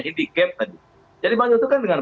hidicap tadi jadi bang jules itu kan dengan